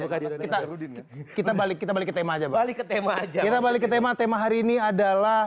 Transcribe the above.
kita kita balik kita balik ke tema aja balik ke tema aja kita balik ke tema tema hari ini adalah